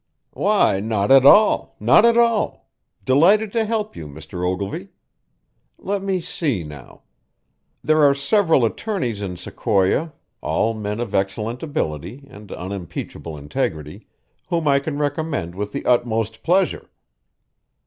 "Why, not at all, not at all! Delighted to help you, Mr. Ogilvy. Let me see, now. There are several attorneys in Sequoia, all men of excellent ability and unimpeachable integrity, whom I can recommend with the utmost pleasure.